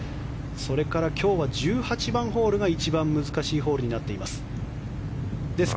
それから今日は１８番ホールが一番難しいホールになっています。